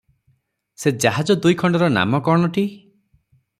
ସେ ଜାହାଜ ଦୁଇଖଣ୍ଡର ନାମ କଣଟି?